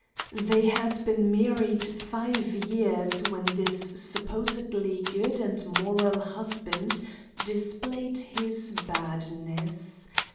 They had been married five years when this supposedly good and moral husband displayed his badness.